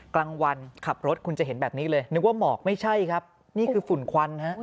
กลางวันขับรถคุณจะเห็นแบบนี้เลยนึกว่าหมอกไม่ใช่ครับนี่คือฝุ่นควันฮะ